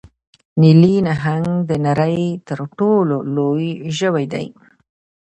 نیلي نهنګ د نړۍ تر ټولو لوی ژوی دی